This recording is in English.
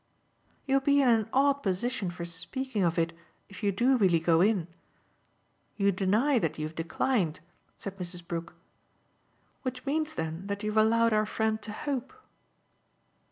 "You'll be in an odd position for speaking of it if you do really go in. You deny that you've declined," said Mrs. Brook; "which means then that you've allowed our friend to hope."